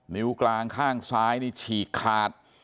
นิ้วกลางข้างซ้ายนี่ฉีกขาด